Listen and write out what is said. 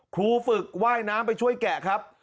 ครูฝึกว่ายน้ำไปช่วยแกะครับ